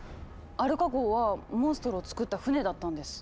アルカ号はモンストロをつくった船だったんです。